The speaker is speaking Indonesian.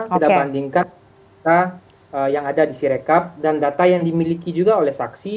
kita bandingkan data yang ada di sirekap dan data yang dimiliki juga oleh saksi